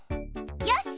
よし！